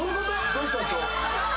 どうしたんすか？